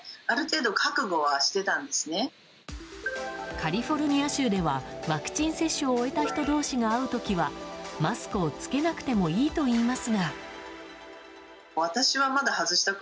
カリフォルニア州ではワクチン接種を終えた人同士が会う時はマスクを着けなくてもいいといいますが。